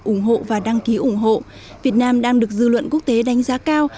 ủng hộ và đăng ký ủng hộ việt nam đang được dư luận quốc tế đánh giá cao